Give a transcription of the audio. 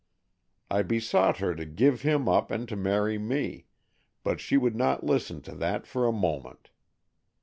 I besought her to give him up and to marry me, but she would not listen to that for a moment.